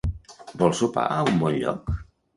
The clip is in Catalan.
Vol sopar a un bon lloc?